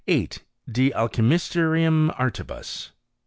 De Alchymistarum Artibus.